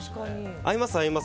合います。